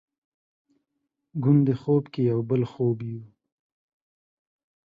ګوندې خوب کې یو بل خوب یو؟